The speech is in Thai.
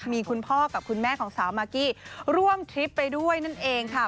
มีคุณพ่อกับคุณแม่ของสาวมากกี้ร่วมทริปไปด้วยนั่นเองค่ะ